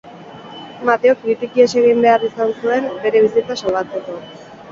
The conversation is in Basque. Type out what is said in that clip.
Mateok hiritik ihes egin behar izan zuen bere bizitza salbatzeko.